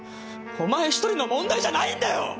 お前１人の問題じゃないんだよ！！